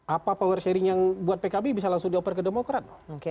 apa power sharing yang buat pkb bisa langsung dioper ke demokrat